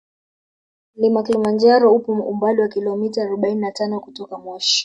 Mlima kilimanjaro upo umbali wa kilometa arobaini na tano kutoka moshi